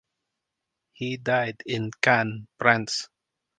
He died in Cannes, France.